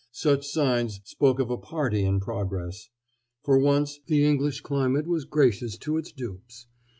Such signs spoke of a party in progress. For once, the English climate was gracious to its dupes.